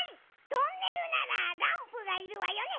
トンネルならランプがいるわよね。